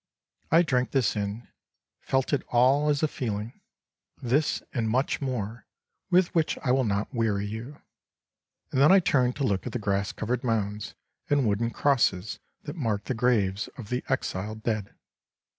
I drank this in, felt it all as a feeling, this and much more with which I will not weary you, and then I turned to look at the grass covered mounds and wooden crosses that marked the graves of the exiled dead.